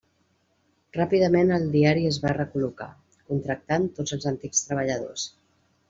Ràpidament el diari es va recol·locar, contractant tots els antics treballadors.